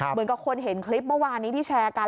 เหมือนกับคนเห็นคลิปเมื่อวานนี้ที่แชร์กัน